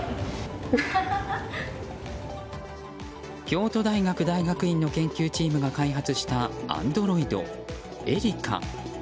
京都大学大学院の研究チームが開発したアンドロイドＥＲＩＣＡ。